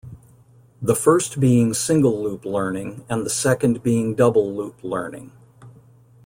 The first being single-loop learning and the second being double-loop learning.